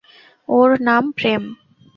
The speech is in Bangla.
ওর নাম প্রেম।